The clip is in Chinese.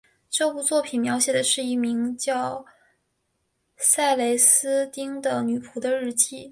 这部作品描写的是一名名叫塞莱丝汀的女仆的日记。